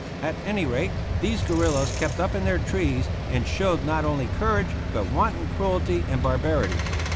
At any rate, these guerillas kept up in their trees and showed not only courage but wanton cruelty and barbarity.